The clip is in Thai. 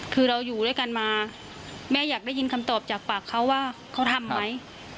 คือเราอยู่ด้วยกันมาแม่อยากได้ยินคำตอบจากปากเขาว่าเขาทำไหม